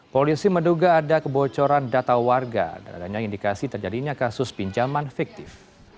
polisi menduga ada kebocoran data warga dan adanya indikasi terjadinya kasus pinjaman fiktif